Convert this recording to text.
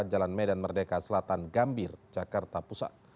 jalan medan merdeka selatan gambir jakarta pusat